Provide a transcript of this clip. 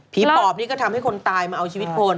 ปอบนี่ก็ทำให้คนตายมาเอาชีวิตคน